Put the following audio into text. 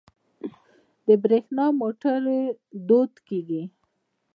د بریښنا موټرې دود کیږي.